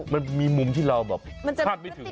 มันมีมุมที่เราแบบคาดไม่ถึง